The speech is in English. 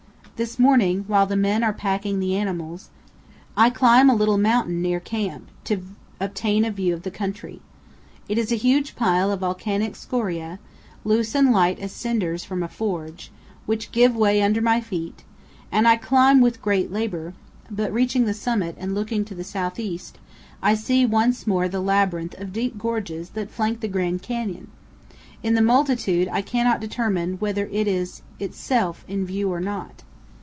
This morning, while the men are packing the animals, I climb a little mountain near camp, to obtain a view of the country. It is a huge pile of volcanic scoria, loose and light as cinders from a forge, which give way under my feet, and I climb with great labor; but, reaching the summit and looking to the southeast, I see once more the labyrinth of deep gorges that flank the Grand Canyon; in the multitude, I cannot determine whether it is itself in view or not.